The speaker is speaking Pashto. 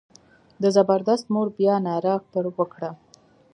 د زبردست مور بیا ناره پر وکړه.